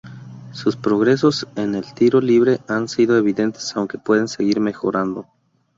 Sus progresos en el tiro libre han sido evidentes aunque pueden seguir mejorando.